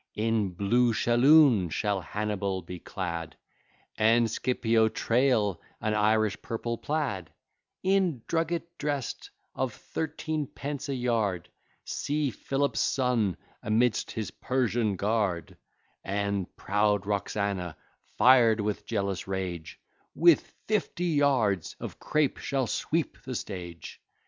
In blue shalloon shall Hannibal be clad, And Scipio trail an Irish purple plaid, In drugget drest, of thirteen pence a yard, See Philip's son amidst his Persian guard; And proud Roxana, fired with jealous rage, With fifty yards of crape shall sweep the stage.